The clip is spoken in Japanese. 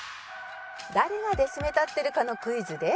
誰がデスメタってるかのクイズで